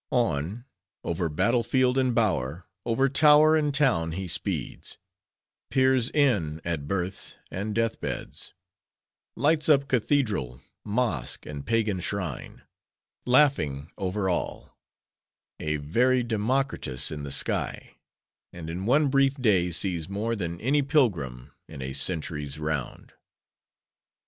On: over battle field and bower; over tower, and town, he speeds,—peers in at births, and death beds; lights up cathedral, mosque, and pagan shrine;—laughing over all;—a very Democritus in the sky; and in one brief day sees more than any pilgrim in a century's round.